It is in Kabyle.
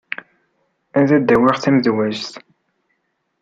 Ad d-awiɣ tamedwazt.